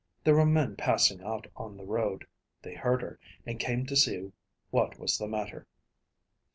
There were men passing out on the road. They heard her, and came to see what was the matter."